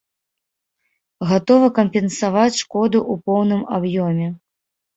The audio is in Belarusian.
Гатовы кампенсаваць шкоду ў поўным аб'ёме.